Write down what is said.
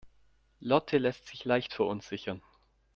Lotte lässt sich leicht verunsichern.